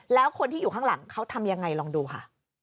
แล้วคนที่อยู่ข้างหลังเขาทำยังไงลองดูค่ะ